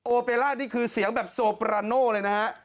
เปล่านี่คือเสียงแบบโซปราโน่เลยนะฮะ